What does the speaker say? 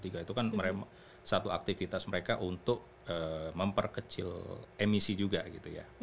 itu kan satu aktivitas mereka untuk memperkecil emisi juga gitu ya